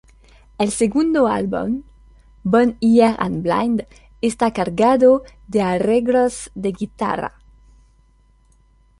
El segundo álbum, "Von hier an blind", está cargado de arreglos de guitarra.